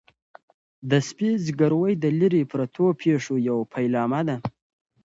د سپي زګیروی د لیرې پرتو پېښو یو پیلامه ده.